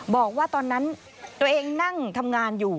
บอกว่าตอนนั้นตัวเองนั่งทำงานอยู่